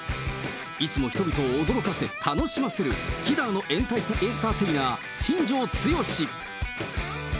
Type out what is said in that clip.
いつも人々を驚かせ、楽しませる、稀代のエンターテイナー、新庄剛志。